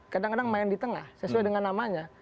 kadang kadang main di tengah sesuai dengan namanya